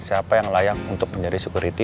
siapa yang layak untuk menjadi security